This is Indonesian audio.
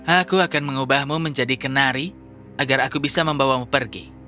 aku akan mengubahmu menjadi kenari agar aku bisa membawamu pergi